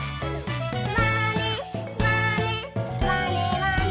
「まねまねまねまね」